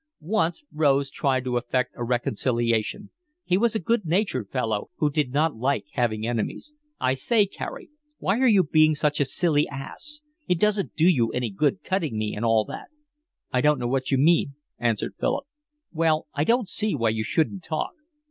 Once Rose tried to effect a reconciliation. He was a good natured fellow, who did not like having enemies. "I say, Carey, why are you being such a silly ass? It doesn't do you any good cutting me and all that." "I don't know what you mean," answered Philip. "Well, I don't see why you shouldn't talk."